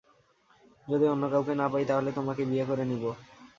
যদি অন্য কাউকে না পাই তাহলে তোমাকে বিয়ে করে নিবো।